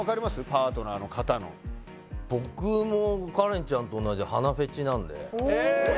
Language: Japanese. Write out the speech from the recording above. パートナーの方の僕もカレンちゃんと同じ鼻フェチなんでへえ